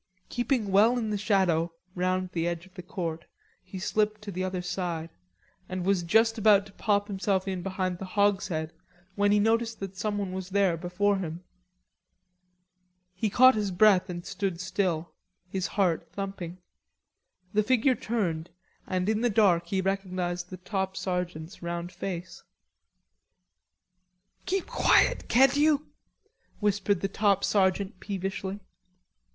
Keeping well in the shadow round the edge of the court, he slipped to the other side, and was just about to pop himself in behind the hogshead when he noticed that someone was there before him. He caught his breath and stood still, his heart thumping. The figure turned and in the dark he recognised the top sergeant's round face. "Keep quiet, can't you?" whispered the top sergeant peevishly.